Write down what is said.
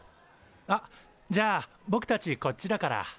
あっじゃあぼくたちこっちだから。